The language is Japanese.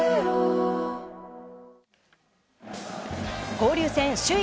交流戦首位